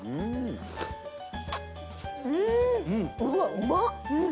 うまっ！